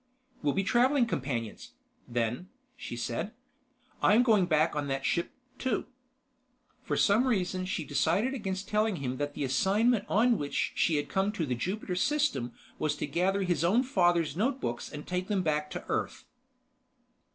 "We'll be traveling companions, then," she said. "I'm going back on that ship, too." For some reason she decided against telling him that the assignment on which she had come to the Jupiter system was to gather his own father's notebooks and take them back to Earth.